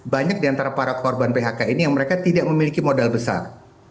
banyak diantara para korban phk ini yang mereka tidak memiliki modal besar